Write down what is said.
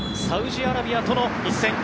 サウジアラビアとの一戦。